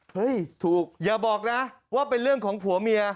เฮ้ยถูกอย่าบอกนะว่าเป็นเรื่องของผัวเมีย